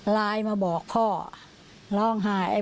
ไลน์มาบอกพ่อร้องไห้